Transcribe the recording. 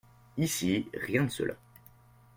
Ici, rien de cela.